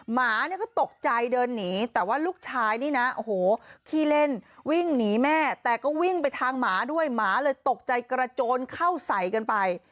หมาเนี่ยก็ตกใจเดินหนีแต่ว่าลูกชายนี่นะโอ้โหขี้เล่นวิ่งหนีแม่แต่ก็วิ่งไปทางหมาด้วยหมาเลยตกใจกระโจนเข้าใส่กันไป